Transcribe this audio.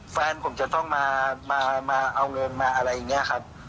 แฟนผมจะต้องมาเอาเงินมาอะไรอย่างนี้ครับ